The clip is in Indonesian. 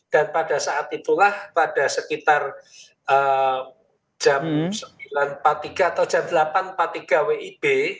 dan pada saat itulah pada sekitar jam sembilan empat puluh tiga atau jam delapan empat puluh tiga wib